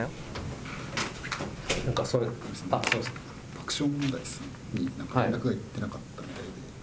爆笑問題さんになんか連絡がいってなかったみたいで。